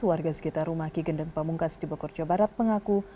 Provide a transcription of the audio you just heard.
warga sekitar rumah ki gendeng pamungkas di bogor jawa barat mengaku